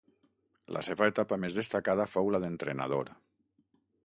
La seva etapa més destacada fou la d'entrenador.